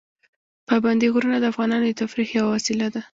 پابندی غرونه د افغانانو د تفریح یوه وسیله ده.